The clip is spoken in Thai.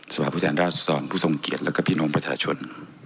สภาพุทธแห่งราชส่วนผู้ทรงเกียรติและกับพี่น้องประชาชน